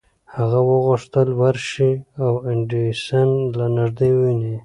هغه غوښتل ورشي او ایډېسن له نږدې وويني.